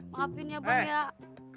maafin ya bang ya